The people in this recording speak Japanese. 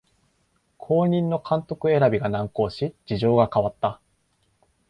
後任の監督選びが難航し事情が変わった